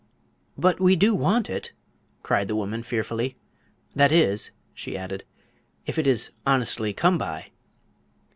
"But we do want it!" cried the woman, fearfully. "That is," she added, "if it is honestly come by."